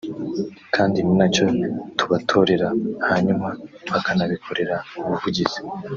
kandi ni nacyo tubatorera hanyuma bakanabikorera ubuvugizi